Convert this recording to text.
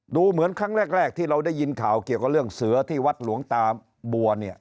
ดูเหมือนครั้งแรกที่เราได้ยินข่าวเกี่ยวกับเรื่องเสือที่วัดหลวงตาบัวเนี่ย